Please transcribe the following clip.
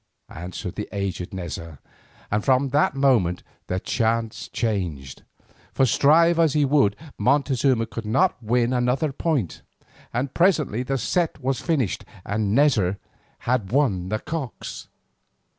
answered the aged Neza, and from that moment the chance changed. For strive as he would, Montezuma could not win another point, and presently the set was finished, and Neza had won the cocks.